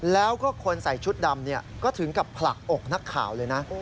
แล้วก็คนใส่ชุดดำก็ถึงกับผลักอกนักข่าวเลยนะ